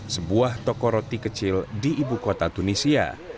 sebuah toko roti kecil di ibu kota tunisia